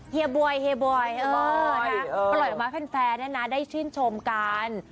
เฮยบอยเฮยบอยปล่อยออกมาแฟนแฟนนะนะได้ชื่นชมกัน